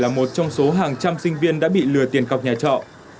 là một trong số hàng trăm sinh viên đã bị lừa tiền cọc nhà trọ